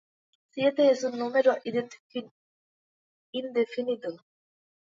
Siete es un número indefinido.